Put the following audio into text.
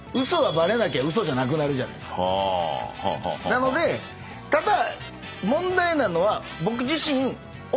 なのでただ。